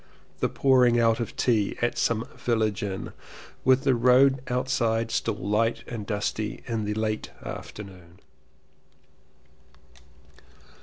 The pour ing out of tea at some Village Inn, with the 220 LLEWELLYN POWYS road outside still light and dusty in the late afternoon.